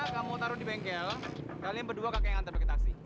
kamu taruh di bengkel kalian berdua kakek yang antar pakai taksi